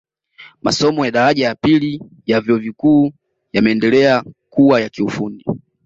Masomo ya daraja ya pili ya vyuo vikuu yameendelea kuwa ya kiufundi